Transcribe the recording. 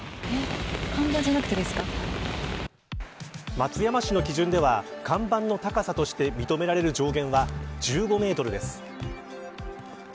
松山市の基準では看板の高さとして認められる上限は１５メートルです。